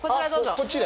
こっちで？